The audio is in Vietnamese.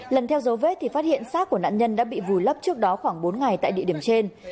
lần theo dấu vết thì phát hiện sát của nạn nhân đã bị vùi lấp trước đó khoảng bốn ngày tại địa điểm trên